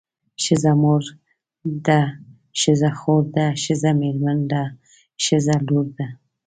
ښځه مور ده ښځه خور ده ښځه مېرمن ده ښځه لور ده.